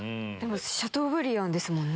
シャトーブリアンですもんね。